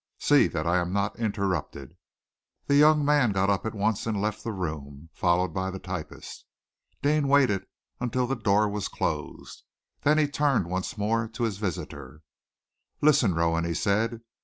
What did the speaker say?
See that I am not interrupted." The young man got up at once and left the room, followed by the typist. Deane waited until the door was closed. Then he turned once more to his visitor. "Listen, Rowan," he said.